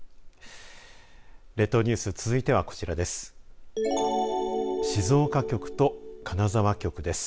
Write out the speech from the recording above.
列島ニュース続いてはこちらです。